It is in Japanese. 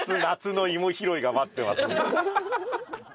夏の芋拾いが待ってます。